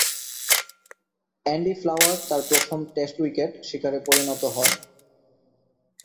Andy Flower তার প্রথম test wicket শিকারে পরিণত হন।